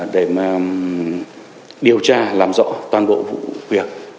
để mà điều tra làm rõ toàn bộ vụ việc